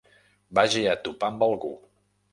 Vagi a topar amb algú.